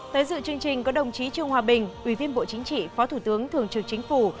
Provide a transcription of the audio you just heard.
tới dự chương trình có đồng chí trương hòa bình ủy viên bộ chính trị phó thủ tướng thường trực chính phủ